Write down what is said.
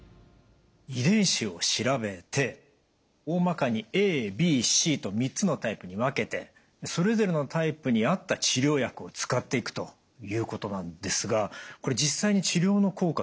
遺伝子を調べておおまかにＡＢＣと３つのタイプに分けてそれぞれのタイプに合った治療薬を使っていくということなんですがこれ実際に治療の効果